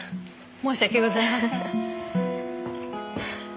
申し訳ございません。